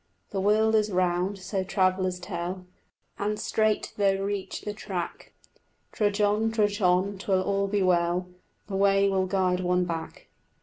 The world is round, so travellers tell, And straight though reach the track, Trudge on, trudge on, 'twill all be well, The way will guide one back.